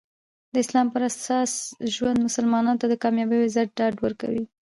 د اسلام پراساس ژوند مسلمانانو ته د کامیابي او عزت ډاډ ورکوي.